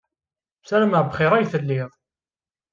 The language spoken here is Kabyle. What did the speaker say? Ssarameɣ bxir ay telliḍ.